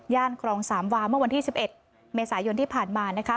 ครองสามวาเมื่อวันที่๑๑เมษายนที่ผ่านมานะคะ